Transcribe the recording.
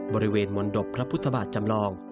บริเวณมนตบพระพุทธบาทจำลอง